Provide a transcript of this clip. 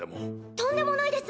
とんでもないです。